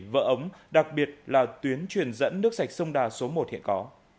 vỡ ống đặc biệt là tuyến truyền dẫn nước sạch sông đà số một hiện có